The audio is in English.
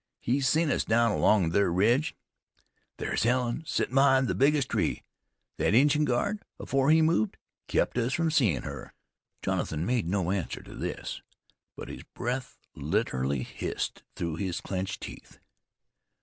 He's seen us down along ther ridge. There's Helen, sittin' behind the biggest tree. Thet Injun guard, 'afore he moved, kept us from seein' her." Jonathan made no answer to this; but his breath literally hissed through his clenched teeth.